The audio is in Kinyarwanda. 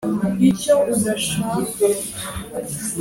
Umutwaje intwaro aramusubizai